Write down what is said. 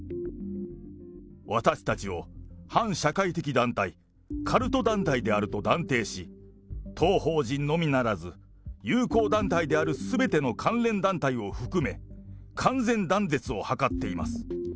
私たちを反社会的団体、カルト団体であると断定し、当法人のみならず、友好団体であるすべての関連団体を含め、完全断絶を図っています。